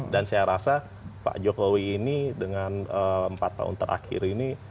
dan saya rasa pak jokowi ini dengan empat tahun terakhir ini